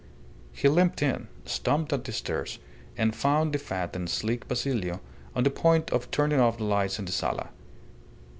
He limped in, stumped up the stairs, and found the fat and sleek Basilio on the point of turning off the lights in the sala.